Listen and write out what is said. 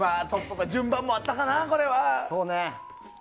順番もあったかな、これは。